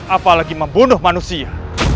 apalagi membunuh manusia